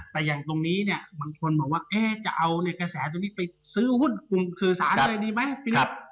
แต่อย่างตรงนี้เนี่ยบางคนบอกว่าจะเอาในกระแสตัวนี้ไปซื้อหุ้นกลุ่มสื่อสารเลยดีไหม